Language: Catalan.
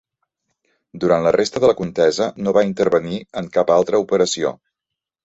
Durant la resta de la contesa no va intervenir en cap altra operació.